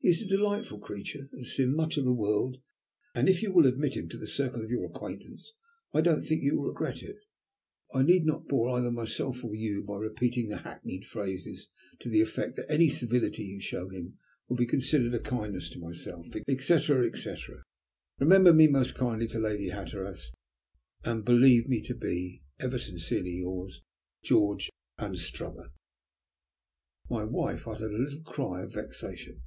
He is a delightful creature; has seen much of the world, and if you will admit him to the circle of your acquaintance, I don't think you will regret it. I need not bore either myself or you by repeating the hackneyed phrase to the effect that any civility you show him will be considered a kindness to myself, etc., etc. Remember me most kindly to Lady Hatteras, and "Believe me to be, "Ever sincerely yours, "GEORGE ANSTRUTHER." My wife uttered a little cry of vexation.